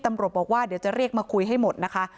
ตำรวจบอกว่าเดี๋ยวจะเรียกมาคุยให้หมดนะคะ